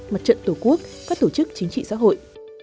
mặt trận tổ quốc các tổ chức chính trị xã hội